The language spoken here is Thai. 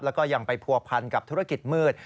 แล้วก็ยังไปผัวพันกับธุรกิจมืด